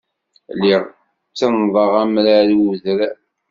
Lliɣ ttenḍeɣ amrar i wedrar.